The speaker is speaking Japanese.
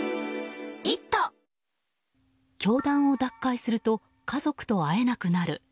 教団を脱会すると家族と会えなくなる。